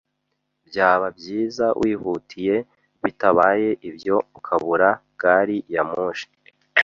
Byaba byiza wihutiye, bitabaye ibyo ukabura gari ya moshi